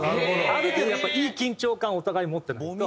ある程度やっぱいい緊張感をお互い持ってないと。